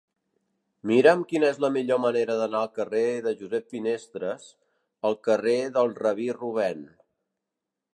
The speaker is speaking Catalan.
Mira'm quina és la millor manera d'anar del carrer de Josep Finestres al carrer del Rabí Rubèn.